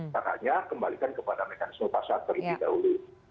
katanya kembalikan kepada mekanisme paksa terlebih dahulu